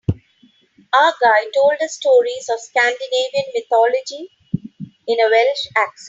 Our guide told us stories of Scandinavian mythology in a Welsh accent.